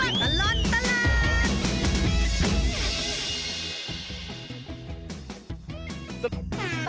ช่วงตลอดตลอด